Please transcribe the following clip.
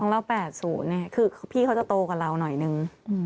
ครั้งเล่า๘๐เนี่ยคือพี่เขาจะโตกับเราหน่อยนึง